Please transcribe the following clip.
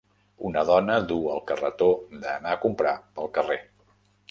Una dona duu el carretó d'anar a comprar pel carrer.